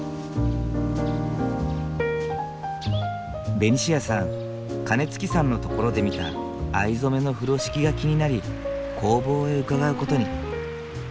ベニシアさん金築さんの所で見た藍染めの風呂敷が気になり工房へ伺う事に。